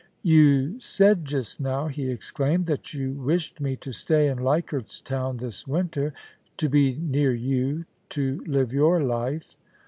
* You said just now,* he exclaimed, * that you wished me to stay in Leichardt^s Town this winter — to be near you, to live your life.